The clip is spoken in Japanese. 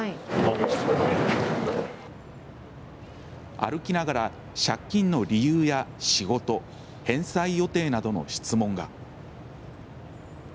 歩きながら、借金の理由や仕事返済予定などの質問が。